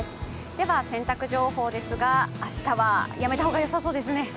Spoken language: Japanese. では洗濯情報ですが明日はやめた方がよさそうですね。